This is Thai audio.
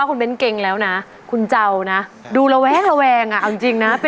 รักเป็นความรับรอของเรือ